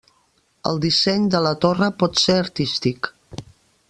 El disseny de la torre pot ser artístic.